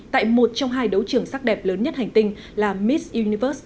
tại một trong hai đấu trưởng sắc đẹp lớn nhất hành tinh là miss universe